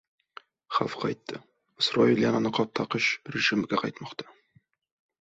Xavf qaytdi! Isroil yana niqob taqish rejimiga qaytmoqda